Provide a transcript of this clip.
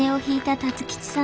辰吉さん。